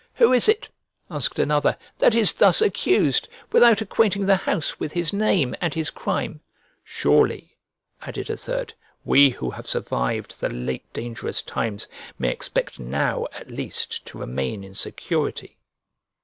"Who is it," (asked another) "that is thus accused, without acquainting the house with his name, and his crime?" "Surely," (added a third) "we who have survived the late dangerous times may expect now, at least, to remain in security."